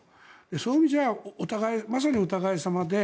そういう意味じゃまさにお互い様で